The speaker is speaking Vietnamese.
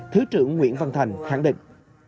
thứ trưởng nguyễn văn thành khẳng định